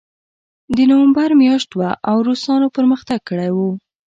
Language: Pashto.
د نومبر میاشت وه او روسانو پرمختګ کړی و